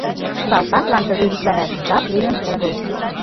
Салтаклан тыге йӱкланаш жап лийын огыл.